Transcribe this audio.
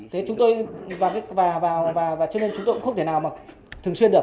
thế chúng tôi vào và vào và cho nên chúng tôi cũng không thể nào mà thường xuyên được